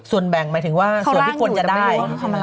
ส่วนแบ่งหมายถึงว่าส่วนที่ควรจะได้